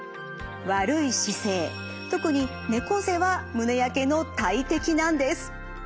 悪い姿勢特に猫背は胸やけの大敵なんです。